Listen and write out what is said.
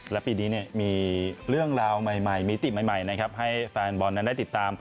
และปีนี้มีเรื่องราวใหม่มิติใหม่ให้แฟนบอลได้ติดตาม